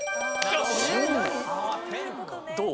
どう？